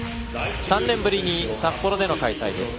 ３年ぶりに札幌での開催です。